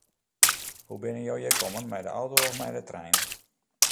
Hoe binne jo hjir kommen, mei de auto of mei de trein?